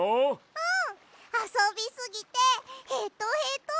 うん！あそびすぎてヘトヘト。